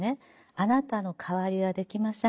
「あなたの代わりはできません。